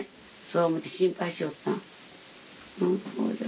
そう思って心配しよったん。